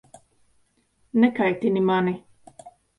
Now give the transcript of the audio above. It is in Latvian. Nekaitini mani!